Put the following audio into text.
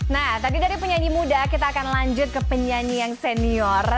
nah tadi dari penyanyi muda kita akan lanjut ke penyanyi yang senior